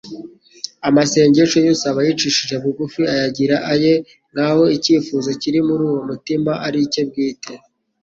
Amasengesho Y'usaba yicishije bugufi ayagira aye nkaho icvifuzo kiri muri uwo mutima ari icye bwite.